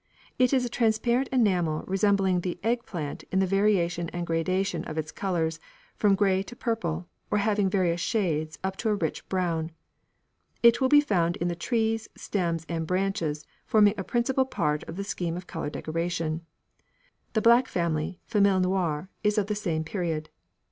It is a transparent enamel resembling the egg plant in the variation and gradation of its colours, from grey to purple or having various shades up to a rich brown. It will be found in the trees, stems, and branches, forming a principal part of the scheme of colour decoration. The black family "famille noire" is of the same period.